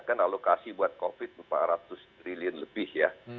kan alokasi buat covid empat ratus triliun lebih ya